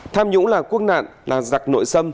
tham nhũng là quốc nạn là rạc nội sâm